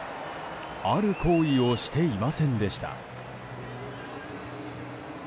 ある行為をしていませんでした。